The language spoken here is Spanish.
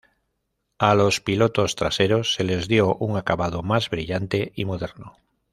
A los pilotos traseros se les dio un acabado más brillante y moderno.